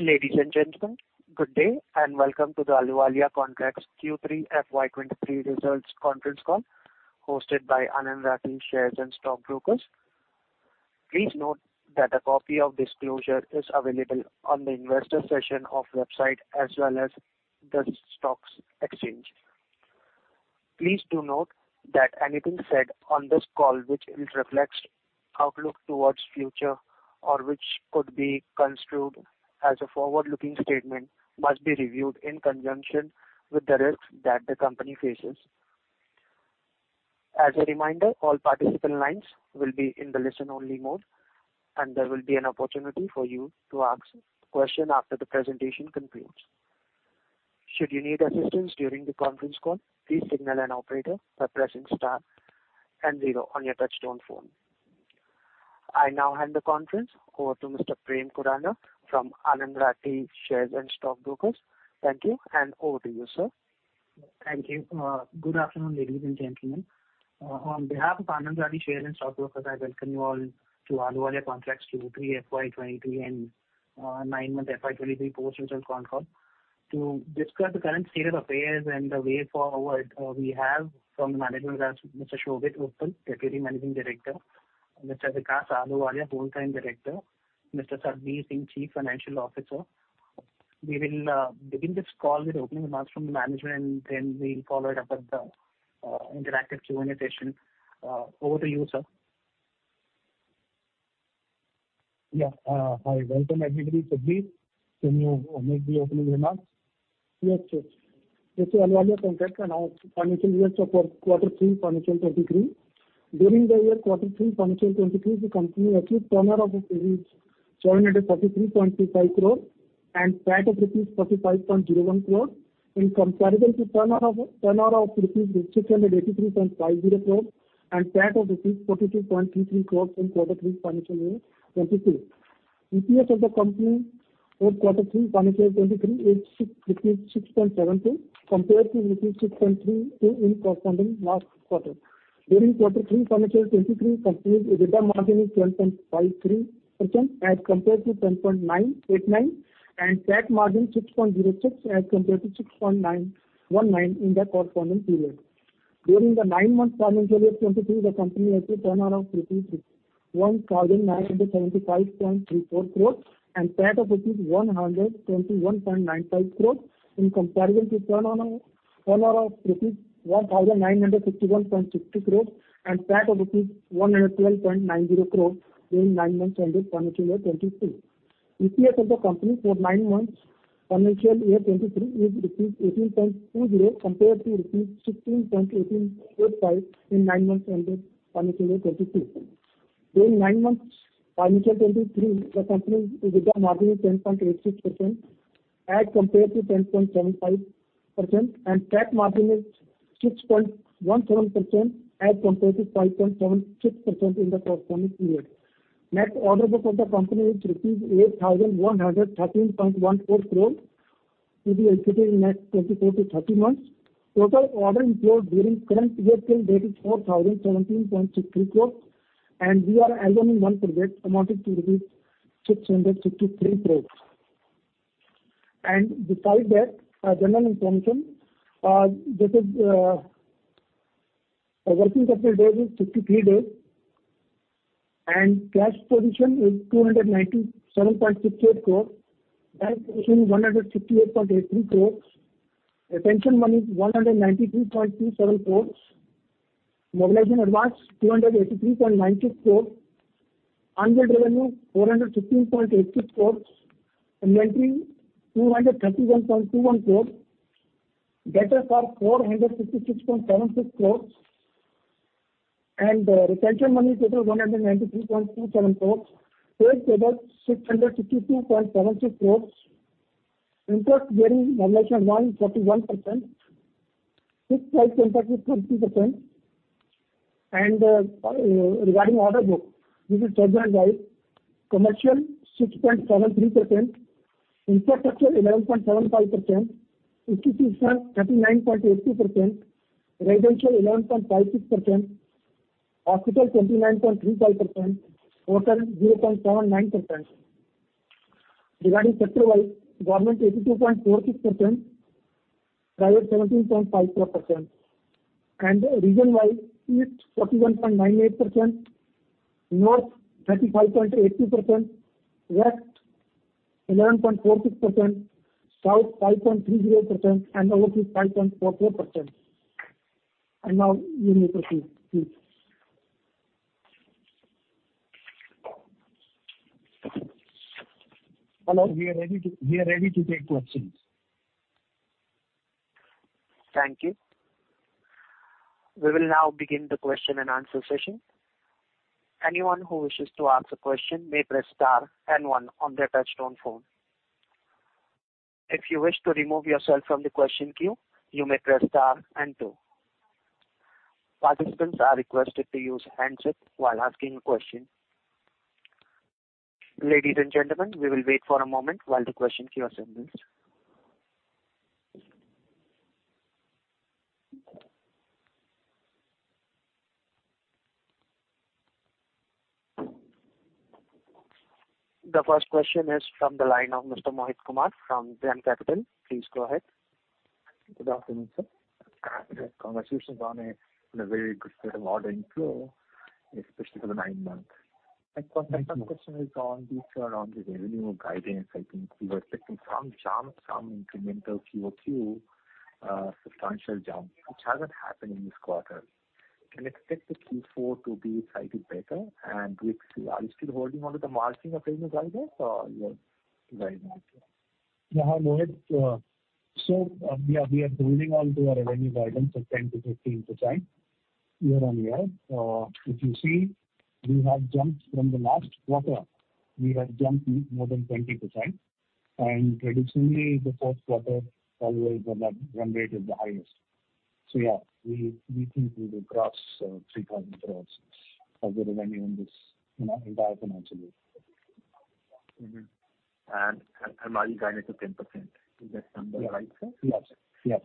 Ladies and gentlemen, good day and welcome to the Ahluwalia Contracts Q3 FY 2023 Results Conference Call hosted by Anand Rathi Share and Stock Brokers. Please note that a copy of the release is available on the investor section of the website as well as the stock exchanges. Please do note that anything said on this call, which reflects outlook towards the future or which could be construed as a forward-looking statement, must be reviewed in conjunction with the risks that the company faces. As a reminder, all participant lines will be in the listen-only mode, and there will be an opportunity for you to ask questions after the presentation concludes. Should you need assistance during the conference call, please signal an operator by pressing star and zero on your touch-tone phone. I now hand the conference over to Mr. Prem Khurana from Anand Rathi Share and Stock Brokers. Thank you, and over to you, sir. Thank you. Good afternoon, ladies and gentlemen. On behalf of Anand Rathi Share and Stock Brokers, I welcome you all to Ahluwalia Contracts Q3 FY 2023 and nine-month FY 2023 post-result call to discuss the current state of affairs and the way forward we have from the management, Mr. Shobhit Uppal, Deputy Managing Director, Mr. Vikas Ahluwalia, Whole Time Director, Mr. Satbeer Singh, Chief Financial Officer. We will begin this call with opening remarks from the management, and then we'll follow it up with the interactive Q&A session. Over to you, sir. Yeah. Hi. Welcome, everybody. Satbeer, can you make the opening remarks? Yes. Yes. This is Ahluwalia Contracts and our financial results for Q3 FY 2023. During the year Q3 FY 2023, the company achieved turnover of 743.25 crore and PAT of rupees 45.01 crore in comparison to turnover of 683.50 crore rupees and PAT of rupees 42.33 crore in Q3 FY 2023. EPS of the company for Q3 FY 2023 is INR 6.72 compared to INR 6.32 in corresponding last quarter. During Q3 FY 2023, the company's EBITDA margin is 10.53% as compared to 10.989%, and PAT margin 6.06% as compared to 6.919% in the corresponding period. During the nine-month financial year 23, the company achieved turnover of INR 1,975.34 crore and PAT of INR 121.95 crore in comparison to turnover of INR1,961.60 crore and PAT of INR 112.90 crore during nine months ended financial year 23. EPS of the company for nine months financial year 23 is rupees 18.20 compared to rupees 16.1885 in nine months ended financial year 2023. During nine months financial year 2023, the company's EBITDA margin is 10.86% as compared to 10.75%, and PAT margin is 6.17% as compared to 5.76% in the corresponding period. Net order book of the company is 8,113.14 crore to be executed in the next 24-30 months. Total order employed during current year till date is 4,017.63 crore, and we are holding one project amounting to rupees 663 crore. Besides that, general information. This is working capital days is 63 days, and cash position is 297.68 crore, bank position 168.83 crore, retention money 193.27 crore, mobilization advance 283.96 crore, unbilled revenue 415.86 crore, inventory 231.21 crore, debtors 456.76 crore, and retention money total 193.27 crore, sales total 662.76 crore, interest-bearing mobilization advance 41%, fixed price contract is 30%, and regarding order book, this is type-wise, commercial 6.73%, infrastructure 11.75%, institutions 39.82%, residential 11.56%, hospital 29.35%, hotel 0.79%. Regarding sector-wise, government 82.46%, private 17.54%, and region-wise, east 41.98%, north 35.82%, west 11.46%, south 5.30%, and overall 5.44%. Now you may proceed, please. Hello. We are ready to take questions. Thank you. We will now begin the question and answer session. Anyone who wishes to ask a question may press star and one on their touch-tone phone. If you wish to remove yourself from the question queue, you may press star and two. Participants are requested to use handsets while asking a question. Ladies and gentlemen, we will wait for a moment while the question queue assembles. The first question is from the line of Mr. Mohit Kumar from DAM Capital. Please go ahead. Good afternoon, congratulations are in a very good state of order inflow, especially for the nine months. My main question is on the revenue guidance. I think we were expecting some jump, some incremental substantial jump in Q2, which hasn't happened in this quarter. Can we expect the Q4 to be slightly better? And are you still holding onto the margin and revenue guidance, or are you revising it? Yeah. Hi, Mohit. So yeah, we are holding onto our revenue guidance of 10%-15% year-on-year. If you see, we have jumped from the last quarter. We have jumped more than 20%. And traditionally, the Q4 always when that run rate is the highest. So yeah, we think we will cross 3,000 crore of the revenue in this entire financial year. Am I guiding it to 10%? Is that number right, sir?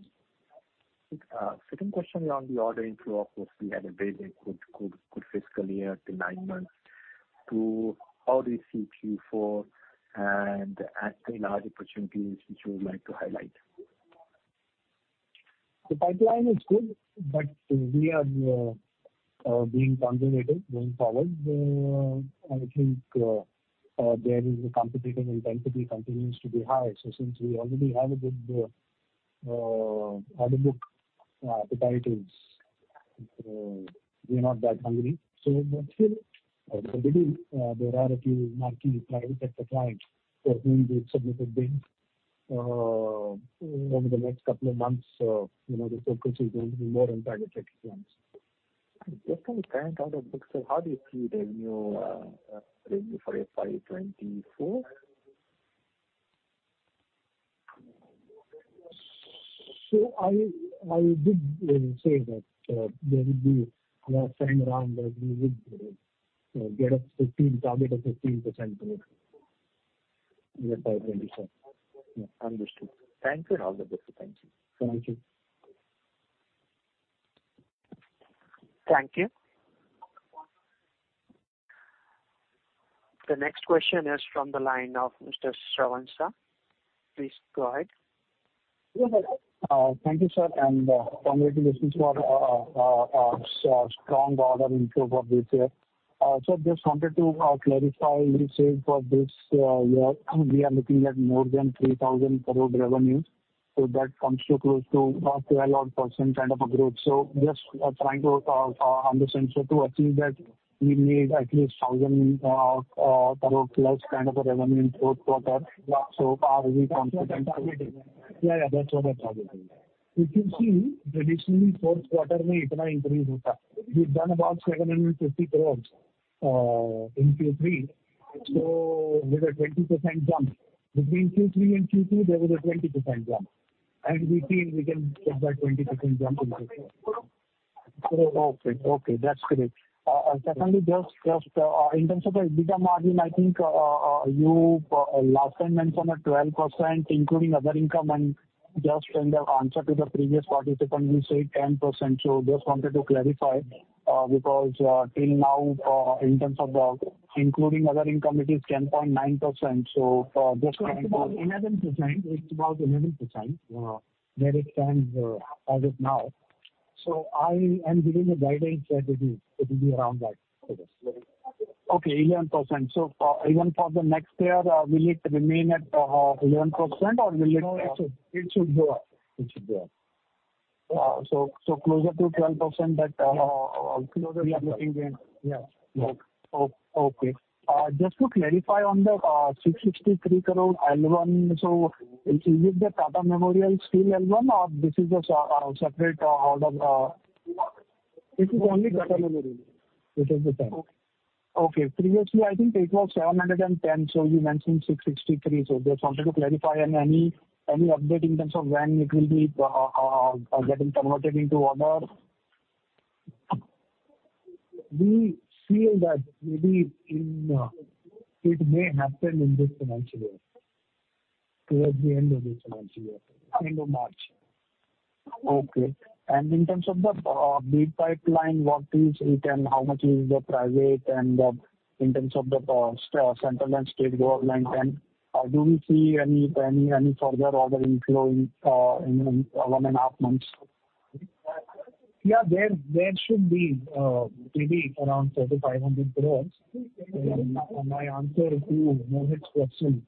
Yes. Yes. Second question around the order inflow. Of course, we had a very good fiscal year to nine months. How do you see Q4 and any large opportunities which you would like to highlight? The pipeline is good, but we are being conservative going forward. I think there is a competitive intensity that continues to be high. So since we already have a good order book appetite, we're not that hungry. So still, there are a few marquee private sector clients for whom we've submitted bids. Over the next couple of months, the focus is going to be more on private sector clients. Just on the current order book, sir, how do you see revenue for FY 2024? So I did say that there would be a firm round that we would get a target of 15% growth in FY 2024. Understood. Thank you. All the best. Thank you. Thank you. The next question is from the line of Mr. Shravan Shah. Please go ahead. Yes, sir. Thank you, sir. And congratulations for a strong order improvement this year. So just wanted to clarify, you said for this year, we are looking at more than 3,000 crore revenue. So that comes close to 12% kind of a growth. So just trying to understand, so to achieve that, we need at least 1,000 crore plus kind of a revenue in Q4. So are we confident? Yeah. Yeah. That's what I'm talking about. If you see, traditionally, Q4 may not increase much. We've done about 750 crore in Q3. So there's a 20% jump. Between Q3 and Q2, there was a 20% jump. And we think we can get that 20% jump in Q4. Okay. Okay. That's great. Secondly, just in terms of the EBITDA margin, I think you last time mentioned 12% including other income, and just in the answer to the previous participant, you said 10%. So just wanted to clarify because till now, in terms of the including other income, it is 10.9%. So just trying to. It's about 11%. It's about 11% where it stands as of now. So I am giving the guidance that it will be around that for this. Okay. 11%. So even for the next year, will it remain at 11%, or will it? No, it should go up. It should go up. Closer to 12% that we are looking in. Yeah. Okay. Just to clarify on the 663 crore L1, so is it the Tata Memorial still L1, or this is a separate order? This is only Tata Memorial. It is the same. Okay. Previously, I think it was 710, so you mentioned 663. So just wanted to clarify, and any update in terms of when it will be getting converted into order? We feel that maybe it may happen in this financial year towards the end of this financial year, end of March. Okay. And in terms of the bid pipeline, what is it, and how much is the private and in terms of the central and state guidelines, and do we see any further order inflow in one and a half months? Yeah. There should be maybe around 4,500 crore. And my answer to Mohit's question,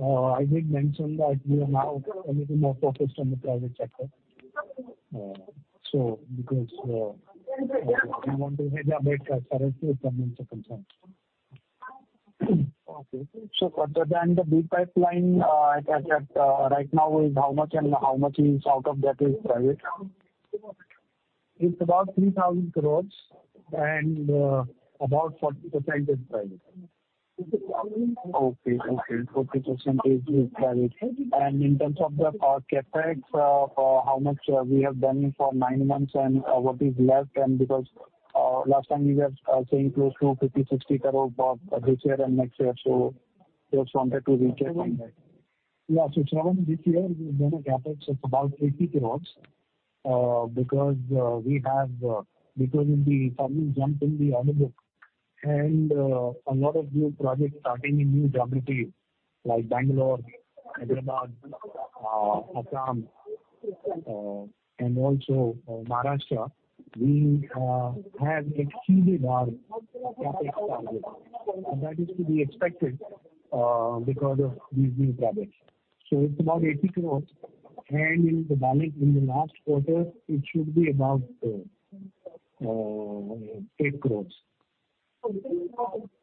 I did mention that we are now a little more focused on the private sector. So because we want to hedge our bets as far as the financial concerns. Okay. So other than the bid pipeline, I guess that right now is how much and how much is out of that is private? It's about 3,000 crore, and about 40% is private. Okay. Okay. 40% is private. And in terms of the CapEx, how much we have done it for nine months and what is left? And because last time you were saying close to 50-60 crore this year and next year. So just wanted to recap on that. Yeah. So Shravan, this year, we've done a CapEx of about INR 80 crore because of the sudden jump in the order book and a lot of new projects starting in new geographies like Bangalore, Hyderabad, Assam, and also Maharashtra, we have exceeded our CapEx target. And that is to be expected because of these new projects. So it's about 80 crore, and in the last quarter, it should be about 8 crore.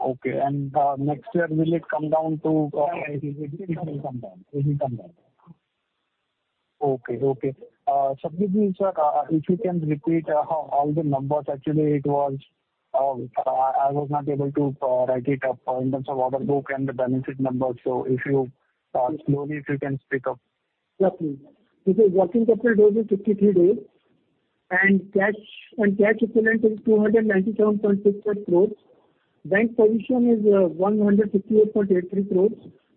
Okay. And next year, will it come down to? Yeah. It will come down. It will come down. Okay. Okay. Shobhit, sir, if you can repeat all the numbers. Actually, I was not able to write it up in terms of order book and the benefit numbers. So if you slowly, if you can speak up. Yeah, please. Okay. Working capital days is 53 days, and cash equivalent is 297.68 crore. Bank position is 158.83 crore.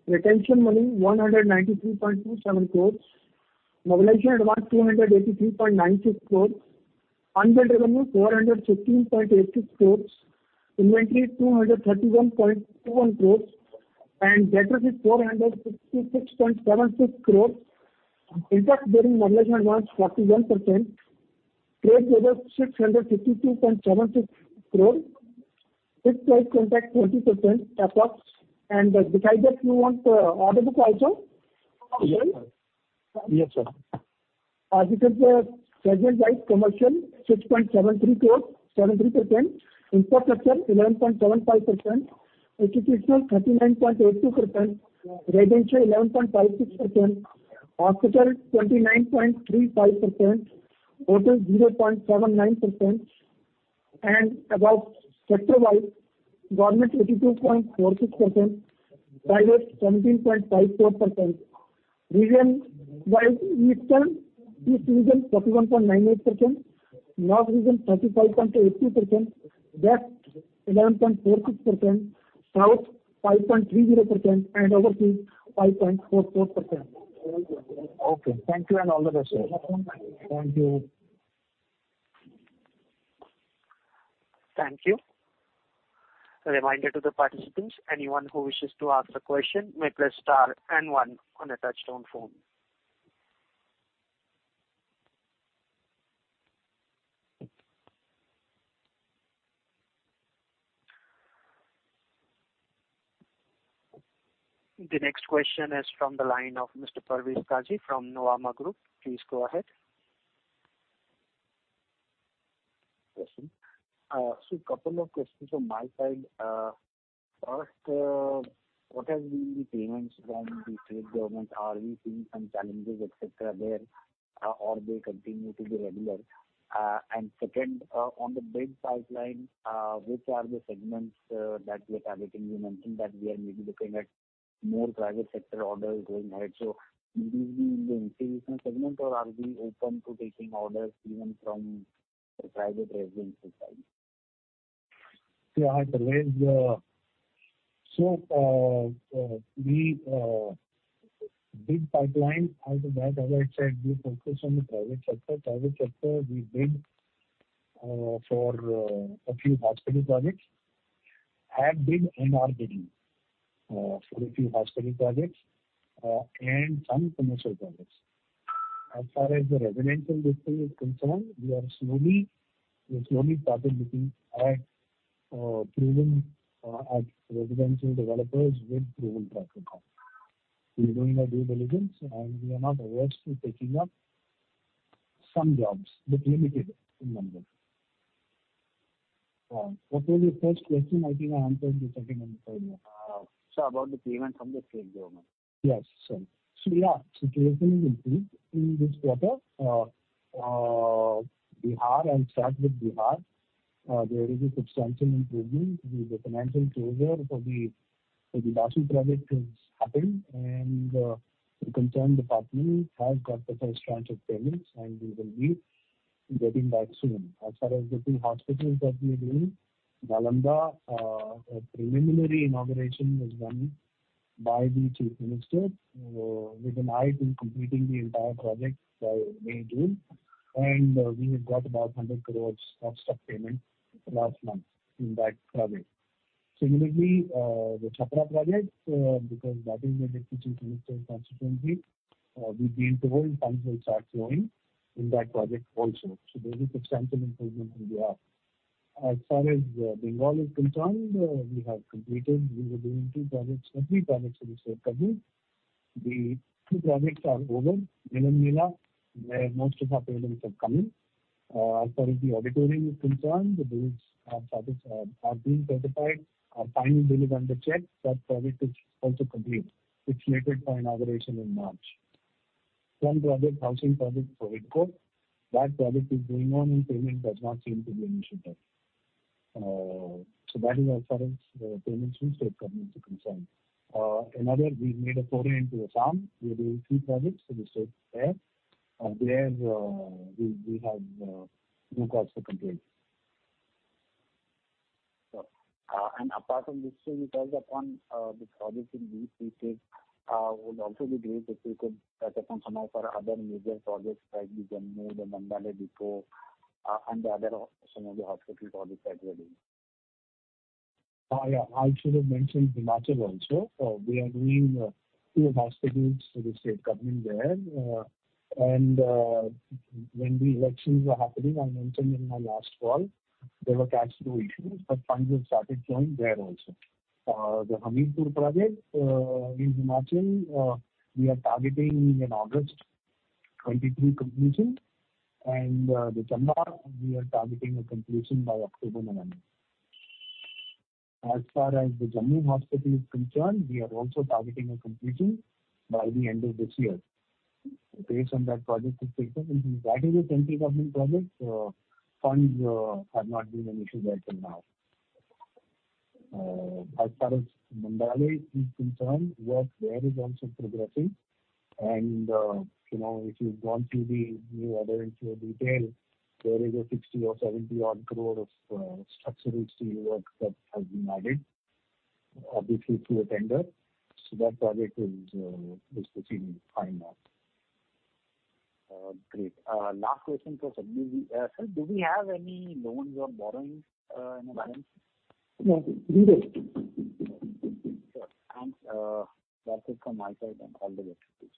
Retention money 193.27 crore. Mobilization advance 283.96 crore. Unbilled revenue 415.86 crore. Inventory 231.21 crore. And debtors 466.76 crore. Interest bearing mobilization advance 41%. Trade payables 652.76 crore. Fixed price contract 20%. CapEx. And besides that, you want order book also? Yes, sir. Yes, sir. As it is, the percentage-wise commercial, INR 6.73 crore, 73%. Infrastructure, 11.75%. Institutional, 39.82%. Residential, 11.56%. Hospital, 29.35%. Hotel, INR 0.79%. And about sector-wise, government 82.46%. Private, 17.54%. Region-wise, eastern, East region 41.98%. North region 35.82%. West 11.46%. South 5.30%. And overseas 5.44%. Okay. Thank you and all the best, sir. Thank you. Thank you. Reminder to the participants, anyone who wishes to ask a question may press star and one on the touchtone phone. The next question is from the line of Mr. Parvez Qazi from Nuvama Group. Please go ahead. So a couple of questions from my side. First, what have been the payments from the state government? Are we seeing some challenges, etc., there? Or they continue to be regular? And second, on the bid pipeline, which are the segments that we are targeting? You mentioned that we are maybe looking at more private sector orders going ahead. So will these be in the institutional segment, or are we open to taking orders even from the private residency side? Yeah. So the bid pipeline, as I said, we focus on the private sector. Private sector, we bid for a few hospital projects. Have bid and are bidding for a few hospital projects and some commercial projects. As far as the residential district is concerned, we are slowly started looking at residential developers with proven track record. We're doing our due diligence, and we are not averse to taking up some jobs, but limited in number. What was your first question? I think I answered the second and the third one. Sir, about the payments from the state government. Yes. So yeah, the situation is improved in this quarter. Bihar, I'll start with Bihar. There is a substantial improvement. The financial closure for the Dahlias project has happened, and the concerned department has got the first tranche of payments, and we will be getting back soon. As far as the two hospitals that we are doing, Nalanda, preliminary inauguration was done by the chief minister. We've been eyeing completing the entire project by May, June. And we have got about 100 crore of stock payment last month in that project. Similarly, the Chapra project, because that is the deputy chief minister's constituency, we've been told funds will start flowing in that project also. So there is a substantial improvement in Bihar. As far as Bengal is concerned, we have completed. We were doing two projects, or three projects in the state government. The two projects are over in Milan Mela, where most of our payments have come in. As far as the authority is concerned, those are being certified. Our final bill is under check. That project is also complete. It's slated for inauguration in March. One project, housing project for HIDCO. That project is going on, and payment does not seem to be an issue there. So that is, as far as payments from state government is concerned. Another, we've made a foray into Assam. We're doing two projects for the state there. There, we have good cost control. Apart from this, sir, because upon the project in which we take, it would also be great if we could touch upon some of our other major projects like the Mandale Depot, and some of the hospital projects that we're doing. Yeah. I should have mentioned Himachal also. We are doing two hospitals for the state government there, and when the elections were happening, I mentioned in my last call, there were cash flow issues, but funds have started flowing there also. The Hamirpur project in Himachal, we are targeting in August 2023 completion, and the Chamba, we are targeting a completion by October-November. As far as the Jammu hospital is concerned, we are also targeting a completion by the end of this year. Based on that project's success, that is a central government project. Funds have not been an issue there till now. As far as Mandale is concerned, work there is also progressing, and if you've gone through the new order into detail, there is a 60 or 70 crore of structural steel work that has been added, obviously through a tender, so that project is proceeding fine now. Great. Last question for Shobhit. Sir, do we have any loans or borrowings in advance? No. Zero. Sure. Thanks. That's it from my side and all the best, Shobhit.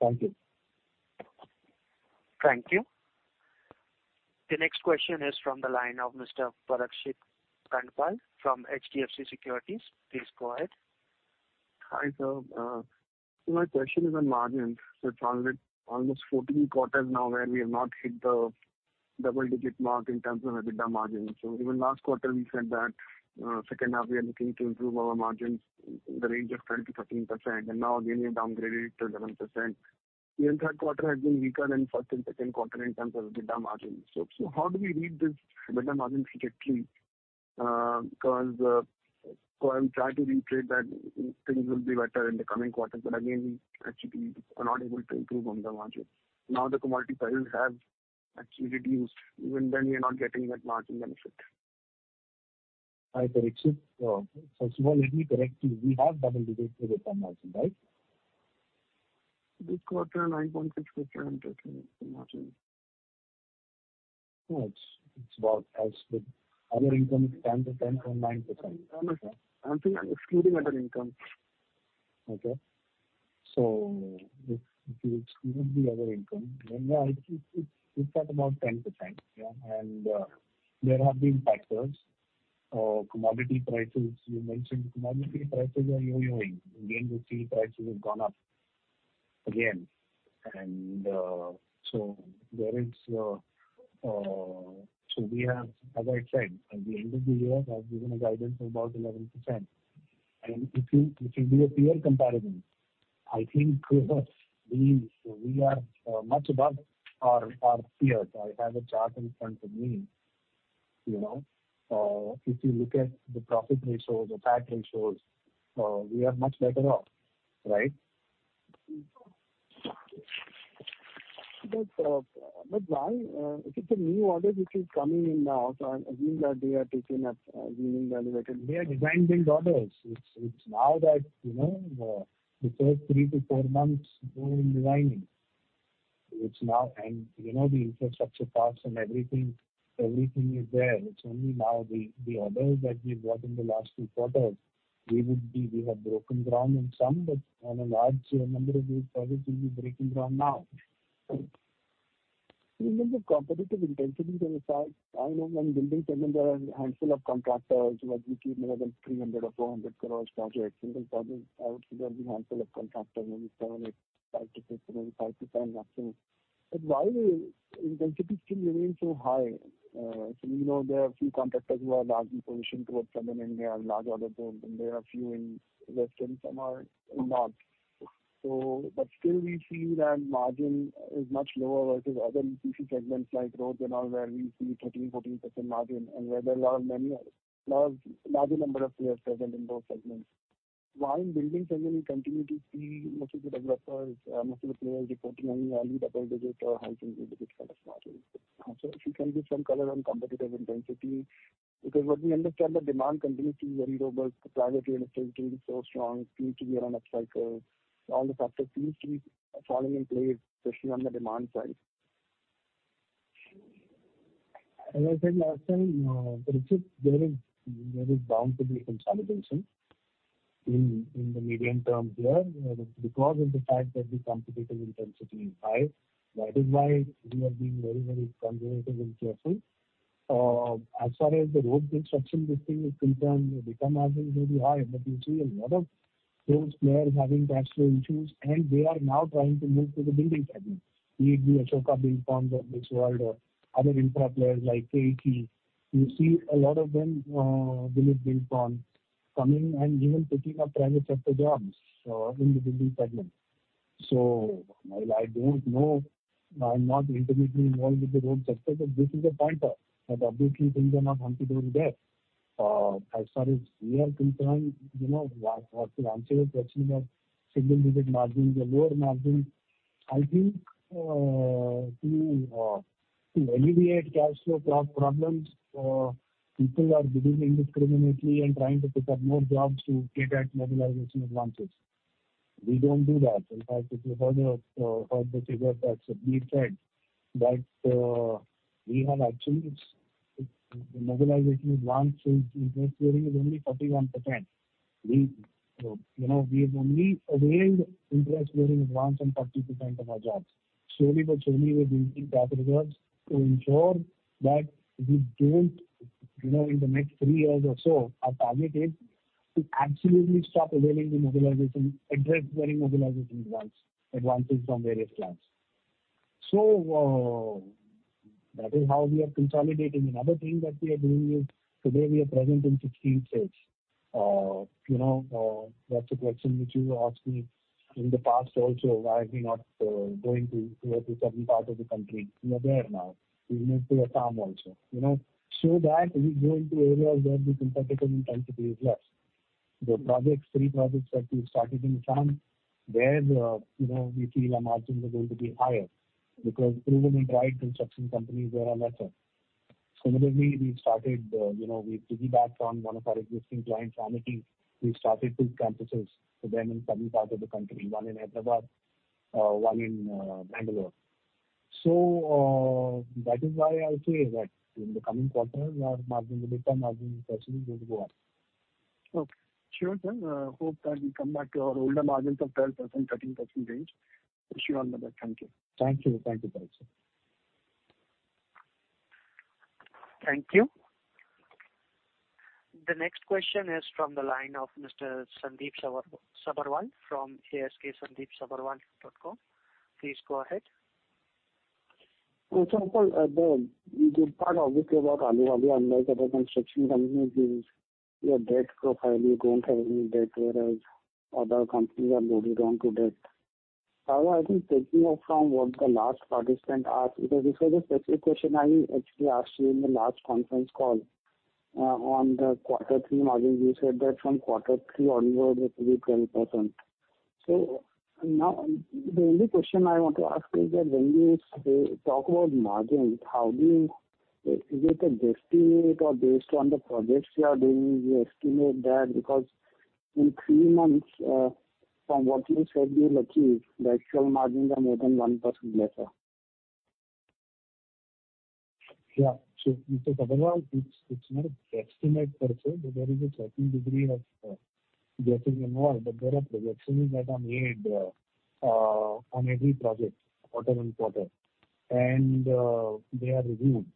Thank you. Thank you. The next question is from the line of Mr. Parikshit Kandpal from HDFC Securities. Please go ahead. Hi, sir. So my question is on margins. So it's almost 14 quarters now where we have not hit the double-digit mark in terms of EBITDA margins. So even last quarter, we said that second half, we are looking to improve our margins, the range of 10%-13%. And now, again, we have downgraded it to 11%. Even Q3 has been weaker than first and Q2 in terms of EBITDA margins. So how do we read this EBITDA margin trajectory? Because I will try to retrace that things will be better in the coming quarters. But again, we actually are not able to improve on the margins. Now, the commodity prices have actually reduced. Even then, we are not getting that margin benefit. Hi, Parikshit. First of all, let me correct you. We have double-digit EBITDA margin, right? This quarter, 9.6% margin. Oh, it's about as good. Other income is 10%-10.9%. No, no, sir. I'm excluding other income. Okay. So if you exclude the other income, then yeah, it's at about 10%. And there have been factors. Commodity prices, you mentioned commodity prices are yo-yoing. Again, the steel prices have gone up again. And so there is so we have, as I said, at the end of the year, we've been at a guidance of about 11%. And if you do a peer comparison, I think we are much above our peers. I have a chart in front of me. If you look at the profit ratios or PAT ratios, we are much better off, right? But why? If it's a new order which is coming in now, so I assume that they are taking up, assuming the elevated. They are design-build orders. It's now that the first three to four months, we're in the designing. And you know the infrastructure costs and everything. Everything is there. It's only now the orders that we've got in the last two quarters, we have broken ground on some, but on a large number of these, probably we're breaking ground now. Remember, competitive intensities on the side. I know when building tender, there are a handful of contractors [inaudible] 300 or 400 crore projects. For a single project, I would suggest a handful of contractors, maybe seven, maybe five to six, maybe five to ten maximum. But why does the intensity still remain so high? So we know there are a few contractors who are largely positioned towards Southern India and large order zones, and there are a few in Western, some are in North. But still, we see that margin is much lower versus other EPC segments like road and all where we see 13%-14% margin. And where there are a large number of players present in those segments. Why in building segment, we continue to see most of the developers, most of the players reporting only early double-digit or high single-digit kind of margins? So if you can give some color on competitive intensity, because what we understand, the demand continues to be very robust. The private real estate is doing so strong. It seems to be on an upcycle. All the factors seem to be falling in place, especially on the demand side. As I said last time, Parikshit, there is bound to be consolidation in the medium term here. Because of the fact that the competitive intensity is high, that is why we are being very, very conservative and careful. As far as the road construction, this thing is concerned, the EBITDA margin is very high. But you see a lot of those players having cash flow issues, and they are now trying to move to the building segment. Be it the Ashoka Buildcon of this world or other infra players like KEC. You see a lot of them with Dilip Buildcon coming and even picking up private sector jobs in the building segment. So while I don't know, I'm not intimately involved with the road sector, but this is a pointer that obviously things are not hunky-dory there. As far as we are concerned, to answer your question about single-digit margins or lower margins, I think to alleviate cash flow problems, people are bidding indiscriminately and trying to pick up more jobs to get at mobilization advances. We don't do that. In fact, if you heard the figure that Satbeer said, that we have actually the mobilization advance interest-bearing is only 41%. We have only availed interest-bearing advance on 40% of our jobs. Slowly but surely, we're building cash reserves to ensure that we don't, in the next three years or so, our target is to absolutely stop availing the mobilization, interest-bearing mobilization advances from various clients. So that is how we are consolidating. Another thing that we are doing is today, we are present in 16 states. That's a question which you asked me in the past also, why are we not going to work with certain parts of the country? We are there now. We've moved to Assam also. So that we go into areas where the competitive intensity is less. The projects, three projects that we've started in Assam, where we feel our margins are going to be higher because proven and tried construction companies there are lesser. Similarly, we've started, we've piggybacked on one of our existing clients, Amity. We've started two campuses for them in certain parts of the country, one in Hyderabad, one in Bangalore. So that is why I'll say that in the coming quarter, our EBITDA margin is going to go up. Okay. Sure, sir. Hope that we come back to our older margins of 12%-13% range. Wish you all the best. Thank you. Thank you. Thank you, Parikshit. Thank you. The next question is from the line of Mr. Sandip Sabharwal from asksandipsabharwal.com. Please go ahead. Sir, the part obviously about Ahluwalia, unlike other construction companies, your debt profile, you don't have any debt, whereas other companies are loaded onto debt. However, I think taking off from what the last participant asked, because this was a specific question I actually asked you in the last conference call on the quarter three margin, you said that from quarter three onward, it will be 12%. So now, the only question I want to ask is that when you talk about margins, how do you estimate or based on the projects you are doing, you estimate that because in three months, from what you said you'll achieve, the actual margins are more than 1% lesser? Yeah, so Mr. Sabharwal, it's not an estimate per se. There is a certain degree of getting involved. But there are projections that are made on every project, quarter and quarter, and they are reviewed.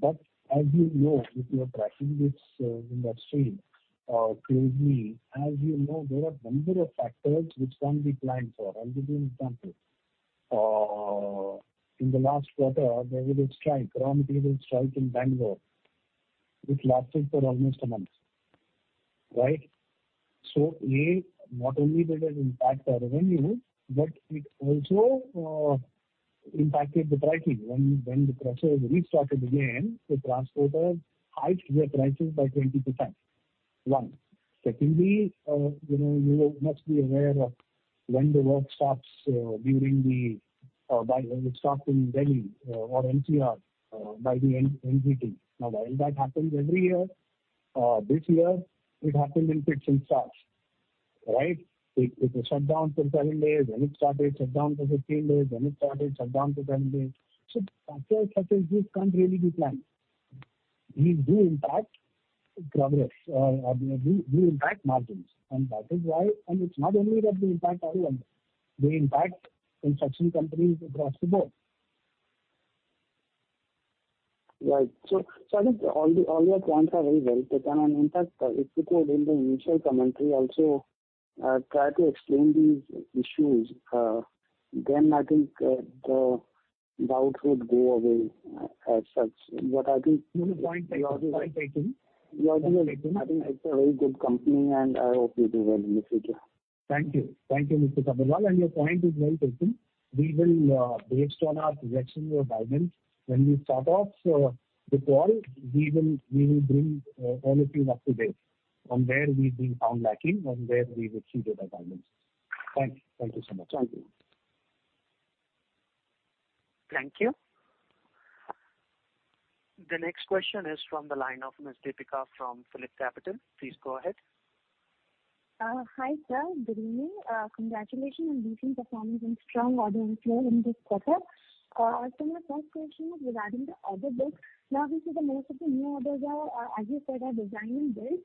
But as you know, if you are tracking this industry closely, as you know, there are a number of factors which can be planned for. I'll give you an example. In the last quarter, there was a strike. Raw material strike in Bangalore. It lasted for almost a month, right? So A, not only did it impact our revenue, but it also impacted the pricing. When the process restarted again, the transporters hiked their prices by 20%. One. Secondly, you must be aware of when the work stops during the ban it stops in Delhi or NCR by the NGT. Now, while that happens every year, this year, it happened in fits and starts, right? It was shut down for seven days, then it started shut down for 15 days, then it started shut down for seven days. So factors such as this can't really be planned. These do impact progress or do impact margins. And that is why, and it's not only that they impact all of them. They impact construction companies across the board. Right. So I think all your points are very well taken. And in fact, if you could, in the initial commentary, also try to explain these issues, then I think the doubts would go away as such. But I think. Your point is well taken. Your point is well taken. I think it's a very good company, and I hope you do well in the future. Thank you. Thank you, Mr. Sabharwal. And your point is well taken. We will, based on our projection or guidance, when we start off the call, we will bring all of you up to date on where we've been found lacking or where we've exceeded our guidance. Thanks. Thank you so much. Thank you. Thank you. The next question is from the line of Ms. Deepika from Phillip Capital. Please go ahead. Hi, sir. Good evening. Congratulations on beating performance and strong order and flow in this quarter. So my first question is regarding the order books. Now, as you said, most of the new orders are, as you said, are design-build.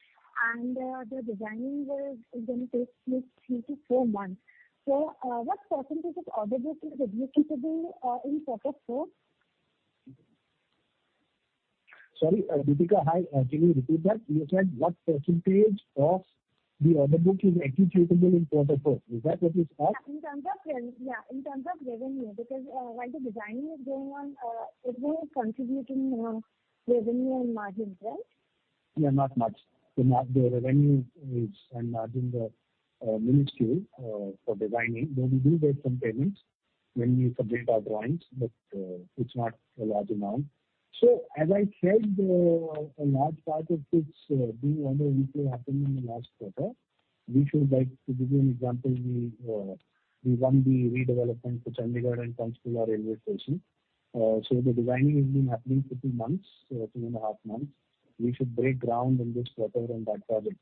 And the design-build is going to take at least three-to-four months. So what percentage of order book is executable in Q4? Sorry, Deepika, can you repeat that? You said what percentage of the order book is executable in Q4? Is that what you said? Yeah. In terms of revenue, because while the design-build is going on, isn't it contributing revenue and margins, right? Yeah, not much. The revenue is, I imagine, minuscule for designing. Though we do get some payments when we submit our drawings, but it's not a large amount. So as I said, a large part of this new order book happened in the last quarter. We should, to give you an example, we won the redevelopment for Chandigarh and Panchkula railway station. So the designing has been happening for two months, two and a half months. We should break ground in this quarter on that project.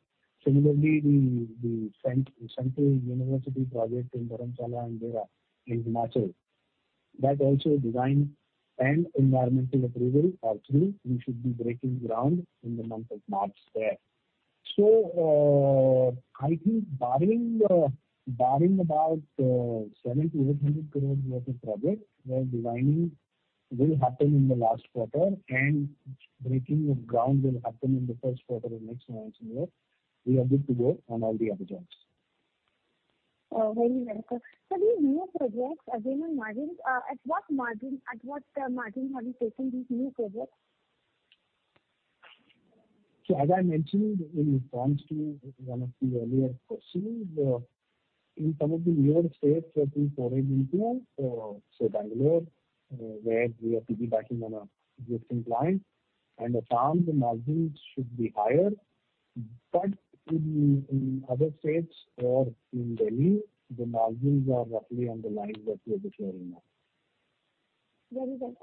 Similarly, the Central University project in Dharamshala and Dehra in Himachal, that also design and environmental approval are through. We should be breaking ground in the month of March there. So I think barring about 70-800 crore worth of projects where designing will happen in the last quarter and breaking ground will happen in the Q1 or next financing year, we are good to go on all the other jobs. Very well. For these new projects, again, on margins, at what margin have you taken these new projects? So as I mentioned in response to one of the earlier questions, in some of the newer states that we forayed into, so Bangalore, where we are piggybacking on an existing client, and Assam, the margins should be higher. But in other states or in Delhi, the margins are roughly on the lines that we are declaring now. Very well.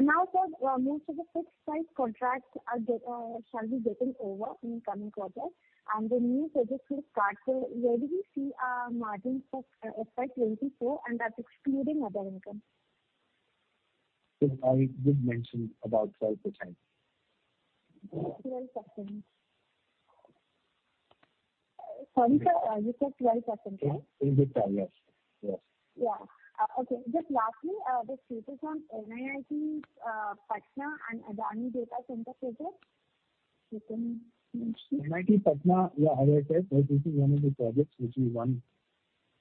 Now, sir, most of the fixed-price contracts shall be getting over in the coming quarter. And the new projects will start. So where do we see margins affect going to go? And that's excluding other income. So I did mention about 12%. 12%. Sorry, sir, you said 12%, right? EBITDA, yes. Yes. Yeah. Okay. Just lastly, the status on NIT Patna and Adani Data Center projects? You can mention. NIT Patna, yeah, as I said, this is one of the projects which we won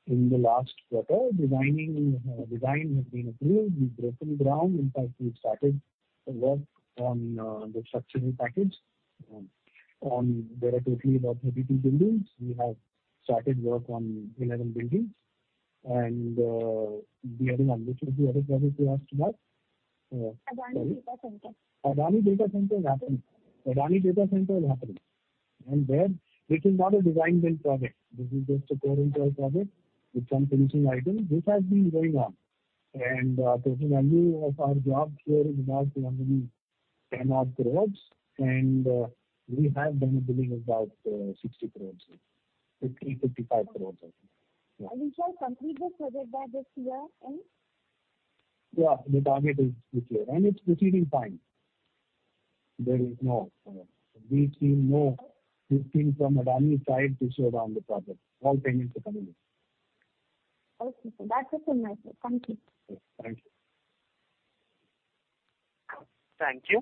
in the last quarter. Design has been approved. We've broken ground. In fact, we've started work on the structural package. There are totally about 32 buildings. We have started work on 11 buildings. And the other one, which was the other project you asked about? Adani Data Center. Adani Data Center is happening. Adani Data Center is happening. And this is not a design-build project. This is just a core and shell project with some finishing items. This has been going on. And total value of our job here is about 210-odd crore. And we have done a billing of about 60 crore, 50, 55 crore. You shall complete this project by this year. Yeah. The target is this year and it's proceeding fine. There is no, we see, no let up from Adani's side to slow down the project. All payments are coming in. Okay. That's it from my side. Thank you. Thank you. Thank you.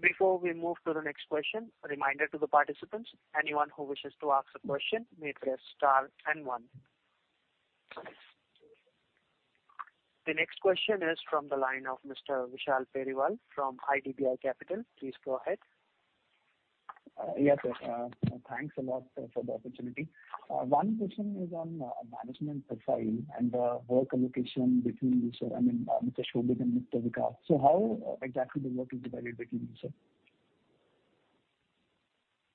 Before we move to the next question, a reminder to the participants. Anyone who wishes to ask a question may press star and one. The next question is from the line of Mr. Vishal Periwal from IDBI Capital. Please go ahead. Yes, sir. Thanks a lot for the opportunity. One question is on management profile and the work allocation between you, sir, I mean, Mr. Shobhit and Mr. Vikas. So how exactly the work is divided between you, sir?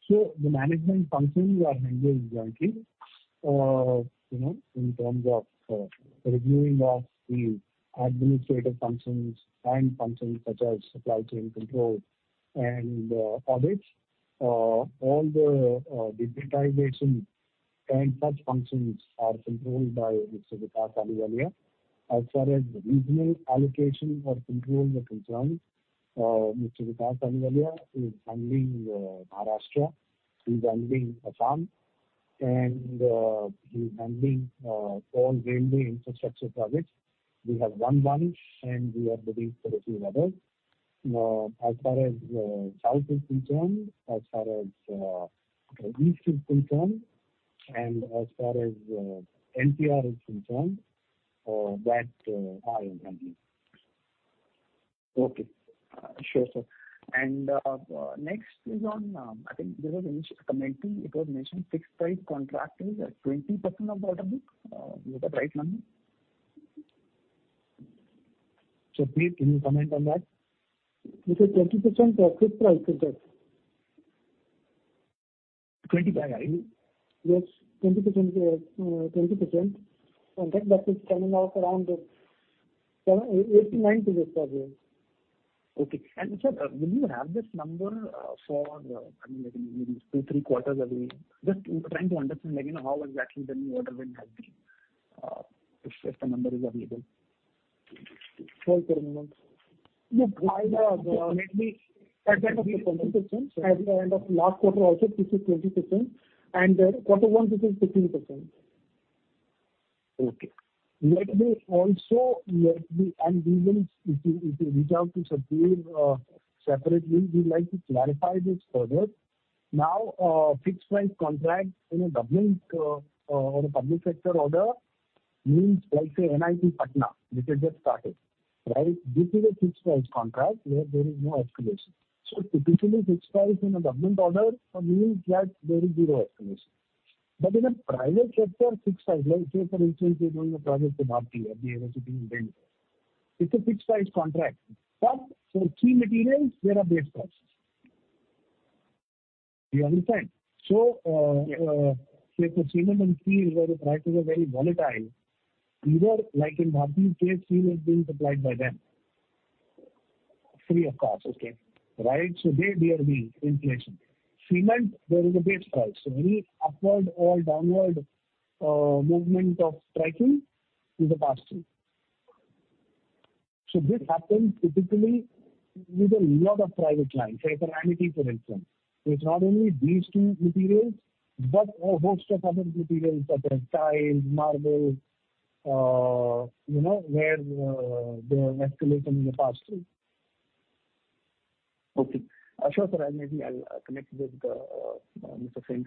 So the management functions are handled jointly in terms of reviewing of the administrative functions and functions such as supply chain control and audits. All the digitization and such functions are controlled by Mr. Vikas Ahluwalia. As far as regional allocation or control are concerned, Mr. Vikas Ahluwalia is handling Maharashtra. He's handling Assam. And he's handling all railway infrastructure projects. We have one, and we are bidding for a few others. As far as South is concerned, as far as East is concerned, and as far as NCR is concerned, that I am handling. Okay. Sure, sir. And next is on, I think there was a commenting. It was mentioned fixed-price contracts at 20% of the order book. Was that right? [inaudible] So please, can you comment on that? It is 20% fixed-price, sir. Yes, 20%. And that is coming out around 89% per year. Okay. And sir, will you have this number for, I mean, maybe two, three quarters away? Just trying to understand how exactly the new order will have been if the number is available. For the moment. this is 20%. And quarter one, this is 15%. Let me also, and we will reach out to Satbeer separately. We'd like to clarify this further. Now, fixed-price contract in a government or a public sector order means, like say, NIT Patna, which has just started, right? This is a fixed-price contract where there is no escalation. So typically, fixed-price in a government order means that there is zero escalation. But in a private sector, fixed-price, say, for instance, you're doing a project with RT, RD, RSD, and DEN, it's a fixed-price contract. But for key materials, there are base prices. Do you understand? So say, for cement and steel, where the prices are very volatile, either, like in RT's case, steel is being supplied by them free of cost, okay? Right? So there being inflation. Cement, there is a base price. So any upward or downward movement of pricing is a cost too. So this happens typically with a lot of private clients. Say for RMZ, for instance. It's not only these two materials, but a host of other materials such as tiles, marble, where the escalation has passed through. Okay. Sure, sir. Maybe I'll connect with Mr. Singh.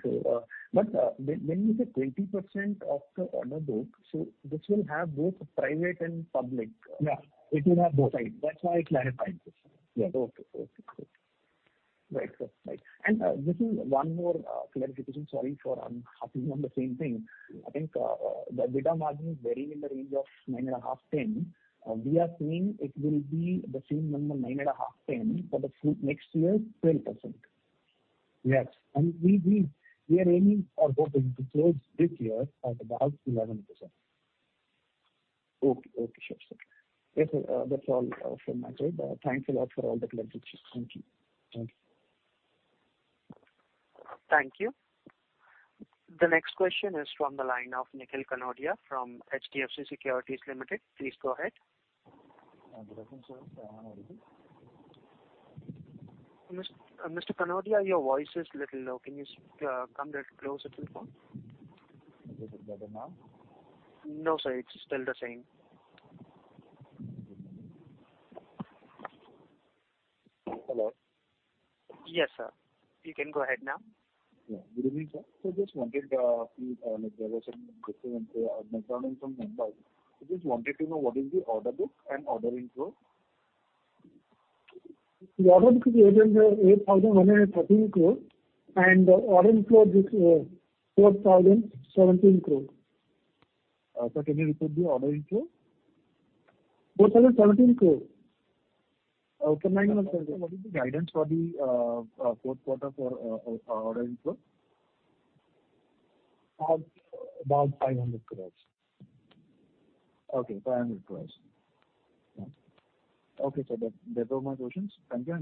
But when you say 20% of the order book, so this will have both private and public. Yeah. It will have both. That's why I clarified this. Okay. Right, sir. And just one more clarification. Sorry for hopping on the same thing. I think the bidder margin is varying in the range of 9.5%-10%. We are seeing it will be the same number, 9.5%-10%, but next year, 12%. Yes. We are aiming or hoping to close this year at about 11%. Okay. Okay. Sure, sir. Yes, sir. That's all from my side. Thanks a lot for all the clarifications. Thank you. Thank you. The next question is from the line of Nikhil Kanodia from HDFC Securities Limited. Please go ahead. I'm present, sir. I am ready. Mr. Kanodia, your voice is a little low. Can you come a little closer to the phone? Is it better now? No, sir. It's still the same. Hello? Yes, sir. You can go ahead now. Yeah. Good evening, sir. So just wanted to, like I was saying, just to make a note from Mumbai, I just wanted to know what is the order book and order inflow? The order book is at 8,113 crore, and the order inflow is 4,017 crore. So can you repeat the order info? 4,017 crore. Okay. What is the guidance for the fourth Q4 for order info? About 500 crore. Okay. INR 500 crore. Okay. So that's all my questions. Thank you,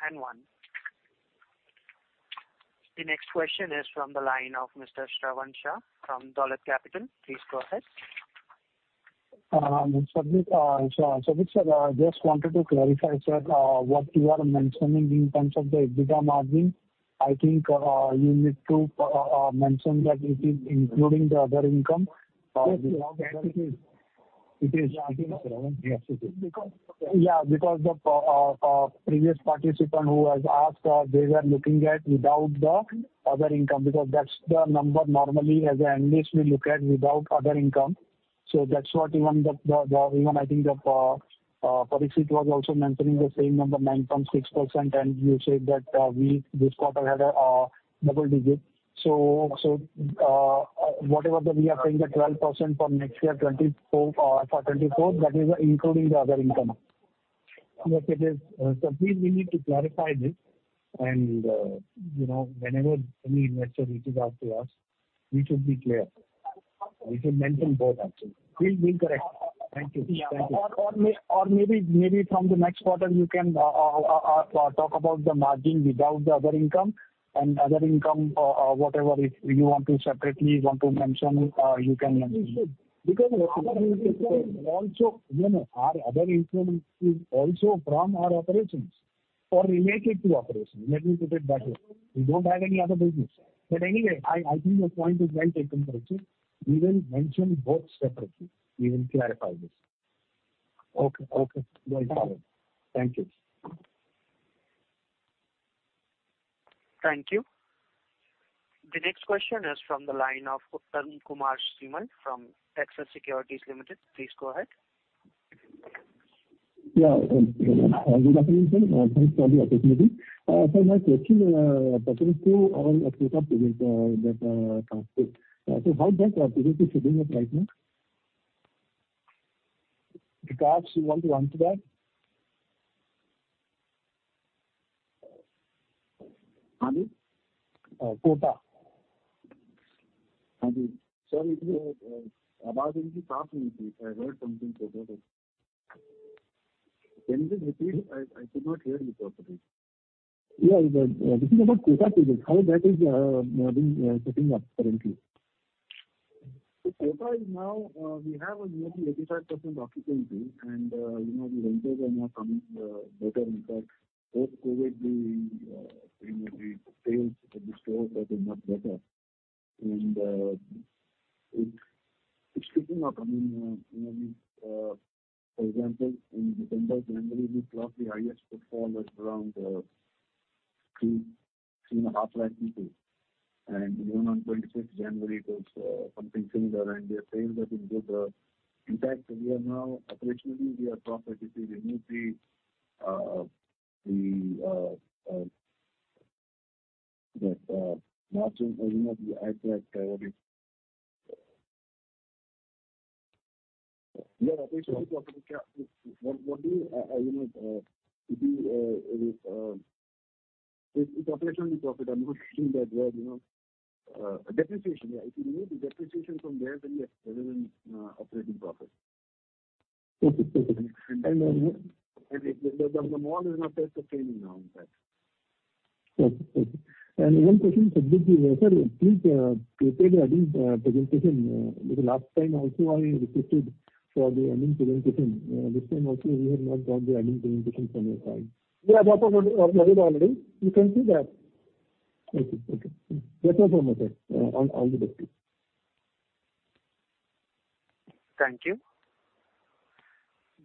and best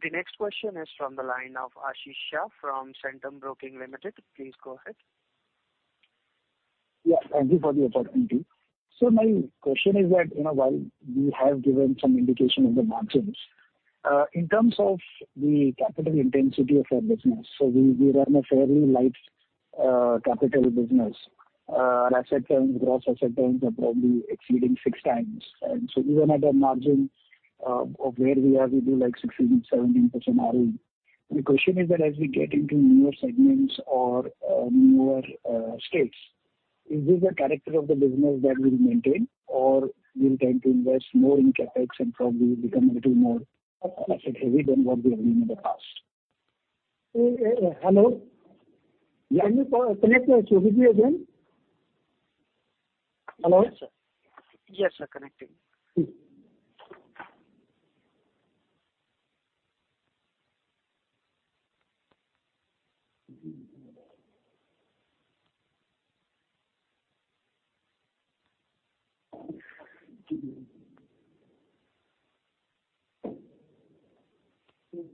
of luck.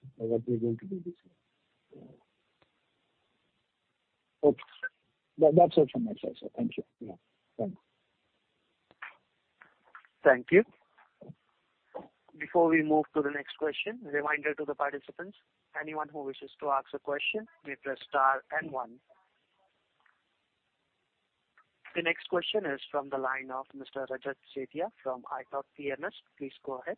Thank you. Thank you. Before we move to the next question, reminder to the participants, anyone who wishes to ask a question may press star and one. The next question is from the line of Mr. Shravan Shah from Dolat Capital. Please go ahead.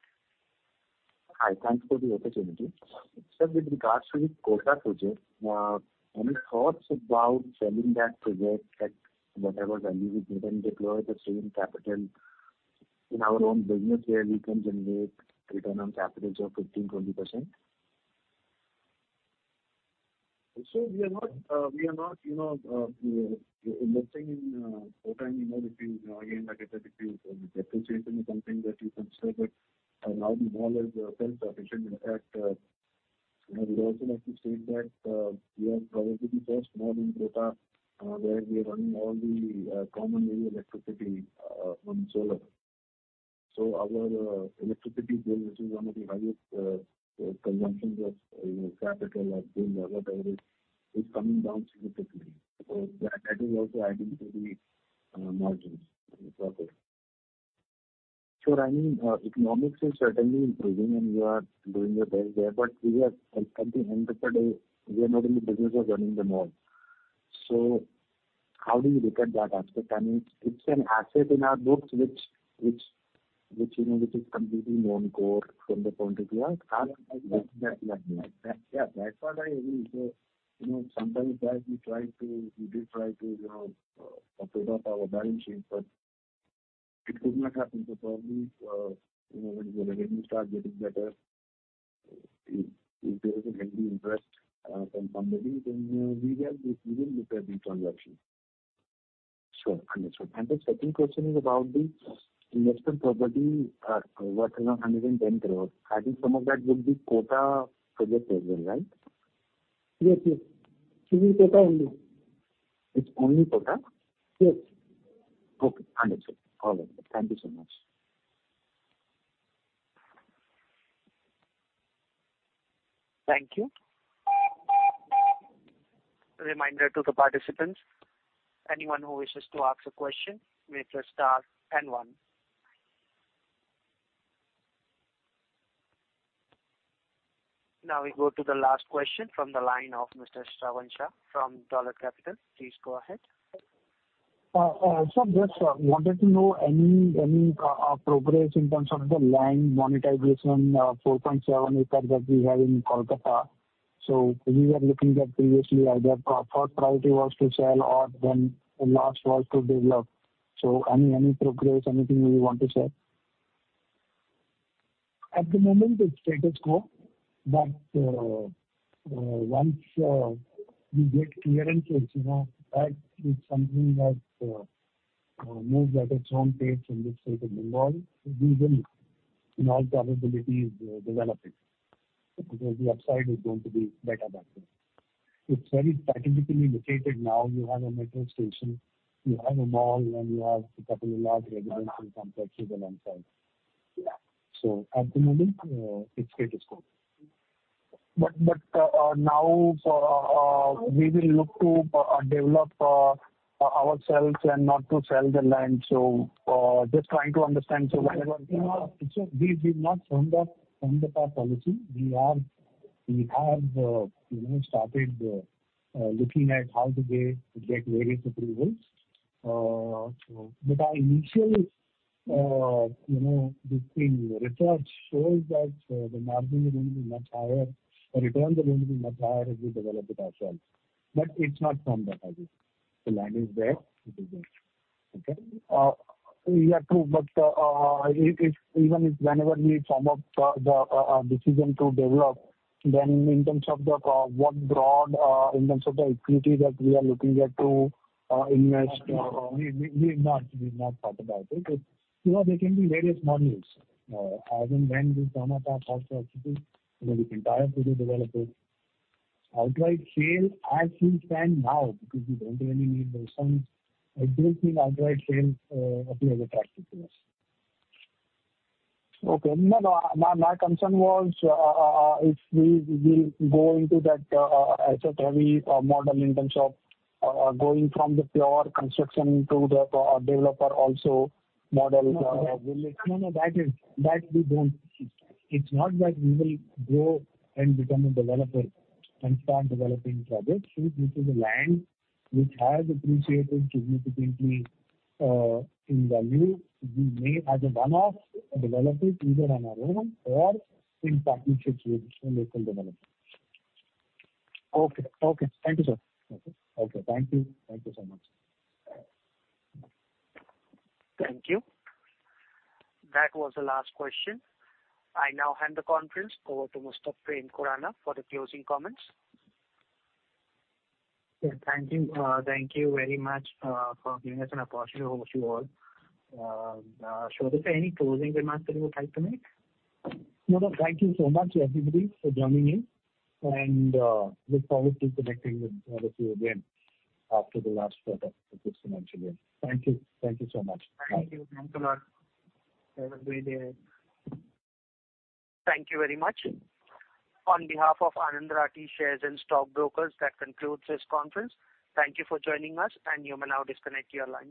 But now the mall is self-sufficient. In fact, I would also like to state that we are probably the first mall in Kota where we are running all the common electricity on solar. So our electricity bill, which is one of the highest consumptions of capital or bill or whatever it is, is coming down significantly. So that is also adding to the margins in the Kota. Sir, I mean, economics is certainly improving, and we are doing a better job. But at the end of the day, we are not in the business of running the mall. So how do you look at that aspect? I mean, it's an asset in our books which is completely non-core from the point of view. Yeah. That's what I agree. So sometimes we did try to trade off our balance sheet, but it could not happen. So probably when the revenues start getting better, if there is a healthy interest from somebody, then we will look at the transaction. Sure. Understood. The second question is about the investment property, whatever, 110 crore. I think some of that would be Kota project as well, right? Yes. Yes. It will be Kota only. It's only Kota? Yes. Okay. Understood. All right. Thank you so much. Thank you. Reminder to the participants. Anyone who wishes to ask a question may press star and one. Now we go to the last question from the line of Mr. Shravan Shah from Dolat Capital. Please go ahead. Sir, just wanted to know any progress in terms of the land monetization, 4.7 acres that we have in Kolkata? So we were looking at previously either first priority was to sell or then the last was to develop. So any progress, anything you want to share? At the moment, it's status quo, but once we get clearances, that is something that moves at its own pace in this case of the mall. We will, in all probabilities, develop it because the upside is going to be better back there. It's very strategically located now. You have a metro station, you have a mall, and you have a couple of large residential complexes alongside, so at the moment, it's status quo. But now we will look to develop ourselves and not to sell the land. So just trying to understand. Sir, we've not formed up our policy. We have started looking at how to get various approvals. But our initial research shows that the margin is going to be much higher, the returns are going to be much higher if we develop it ourselves. But it's not formed up as yet. The land is there. It is there. Yeah, true. But even whenever we firm up the decision to develop, then in terms of what, broadly in terms of the equity that we are looking at to invest. We've not thought about it. There can be various modules. As and when we form up our process, we can try to develop it. Outright sale, as we stand now, because we don't really need those funds, I don't think outright sale appears attractive to us. Okay. No, no. My concern was if we will go into that asset-heavy model in terms of going from the pure construction to the developer also model. No, no. That we don't. It's not that we will go and become a developer and start developing projects. If this is a land which has appreciated significantly in value, we may, as a one-off, develop it either on our own or in partnerships with local developers. Okay. Okay. Thank you, sir. Okay. Thank you so much. Thank you. That was the last question. I now hand the conference over to Mr. Prem Khurana for the closing comments. Thank you. Thank you very much for giving us an opportunity to host you all. Shobhit, any closing remarks that you would like to make? No, no. Thank you so much, everybody, for joining in. And we'll probably be connecting with all of you again after the last quarter. It looks eventually. Thank you. Thank you so much. Thank you. Thank you a lot. Have a great day. Thank you very much. On behalf of Anand Rathi Share and Stock Brokers, that concludes this conference. Thank you for joining us, and you may now disconnect your line.